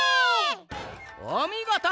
おみごと。